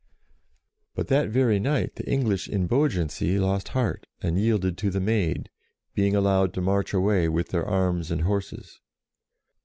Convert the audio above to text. But that very night the English in Beau gency lost heart, and yielded to the Maid, being allowed to march away with their arms and horses.